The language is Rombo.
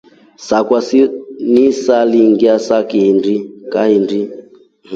Sakwa nisailinga kahindi.